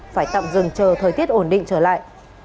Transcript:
phải tạm dừng chờ thời tiết ổn định trở lại